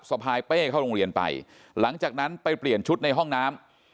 พายเป้เข้าโรงเรียนไปหลังจากนั้นไปเปลี่ยนชุดในห้องน้ำ